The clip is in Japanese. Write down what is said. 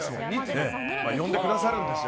呼んでくださるんですよ。